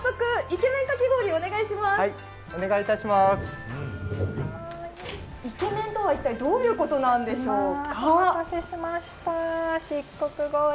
イケメンとは一体、どういうことなんでしょうか。